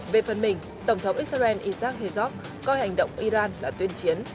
về phần mình tổng thống israel isaac hezod coi hành động iran là tuyên chiến